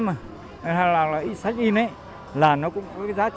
thường thường đi vào một trong nhà sách thì em không thể bao quát được